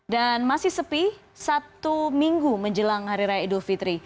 masih sepi satu minggu menjelang hari raya idul fitri